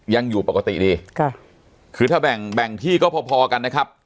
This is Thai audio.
ยังอยู่ปกติดีค่ะคือถ้าแบ่งแบ่งที่ก็พอพอกันนะครับ